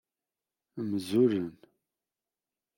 Mzulen.